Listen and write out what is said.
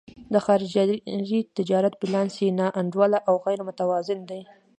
د خارجي تجارت بیلانس یې نا انډوله او غیر متوازن دی.